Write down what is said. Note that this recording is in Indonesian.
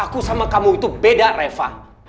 aku sama kamu itu beda reva